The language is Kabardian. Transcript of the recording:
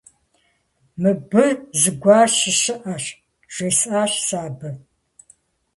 - Мыбы зыгуэр щыщыӀэщ, – жесӀащ сэ абы.